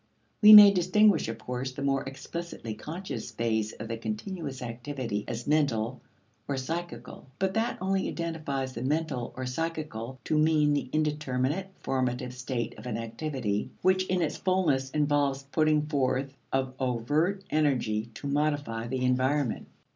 We may distinguish, of course, the more explicitly conscious phase of the continuous activity as mental or psychical. But that only identifies the mental or psychical to mean the indeterminate, formative state of an activity which in its fullness involves putting forth of overt energy to modify the environment.